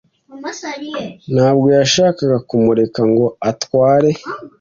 Ntabwo yashakaga kumureka ngo atware.